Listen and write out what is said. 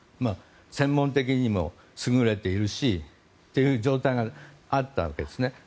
専門的のも優れているし。という状態があるわけです。